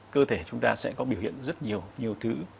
cơ thể chúng ta sẽ có biểu hiện rất nhiều nhiều thứ